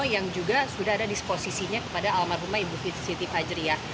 yang juga sudah ada disposisinya kepada almarhumah ibu siti fajriah